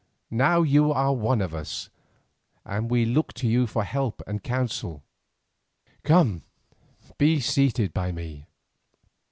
Now you are one of us, and we look to you for help and counsel. Come, be seated by me."